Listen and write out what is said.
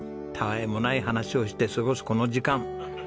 たわいもない話をして過ごすこの時間。